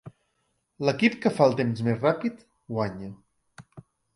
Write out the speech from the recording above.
L'equip que fa el temps més ràpid guanya.